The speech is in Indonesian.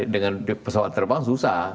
dengan pesawat terbang susah